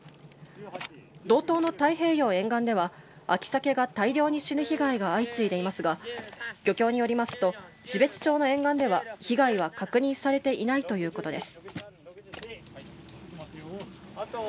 道東の太平洋沿岸では秋サケが大量に死ぬ被害が相次いでいますが漁協によりますと標津町の沿岸では被害は確認されていないということです。